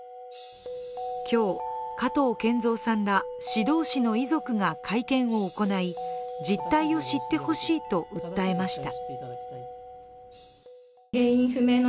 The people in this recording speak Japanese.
今日、加藤健三さんら指導死の遺族が会見を行い実態を知ってほしいと訴えました。